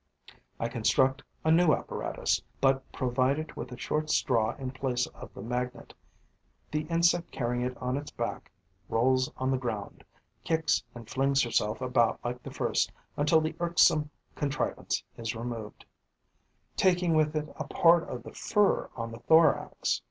I construct a new apparatus, but provide it with a short straw in place of the magnet. The insect carrying it on its back rolls on the ground, kicks and flings herself about like the first, until the irksome contrivance is removed, taking with it a part of the fur on the thorax.